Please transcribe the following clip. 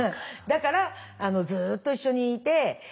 だからずっと一緒にいて。